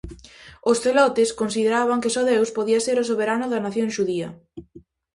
Os celotes consideraban que só Deus podía ser o soberano da nación xudía.